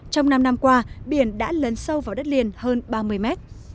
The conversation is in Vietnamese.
trong năm năm qua biển đã lấn sâu vào đất liền hơn ba mươi mét